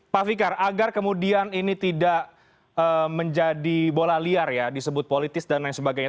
pak fikar agar kemudian ini tidak menjadi bola liar ya disebut politis dan lain sebagainya